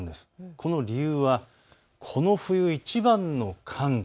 この理由はこの冬いちばんの寒気。